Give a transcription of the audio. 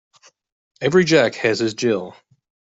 Every Jack has his Jill.